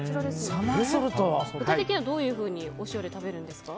具体的にはどういうふうにお塩で食べるんですか？